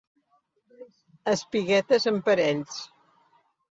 Espiguetes en parells.